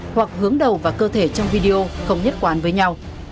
hoặc hướng đầu và cơ thể trong video không nhất quán với nhau